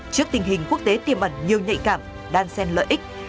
trước tình hình quốc tế tiềm ẩn nhiều nhạy cảm đan xen lợi ích